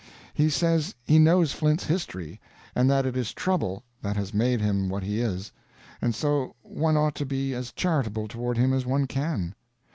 He says he knows Flint's history, and that it is trouble that has made him what he is, and so one ought to be as charitable toward him as one can.